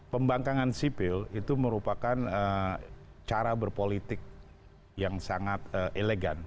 pembangkangan sipil itu merupakan cara berpolitik yang sangat elegan